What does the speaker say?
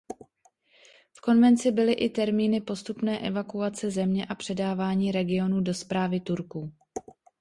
V konvenci byly i termíny postupné evakuace země a předávání regionů do správy Turků.